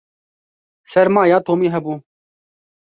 Sermaya Tomî hebû.